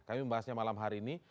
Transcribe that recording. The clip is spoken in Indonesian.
kami membahasnya malam hari ini